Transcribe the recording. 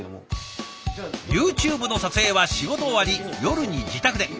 ＹｏｕＴｕｂｅの撮影は仕事終わり夜に自宅で。